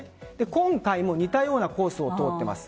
今回も似たようなコースを通っています。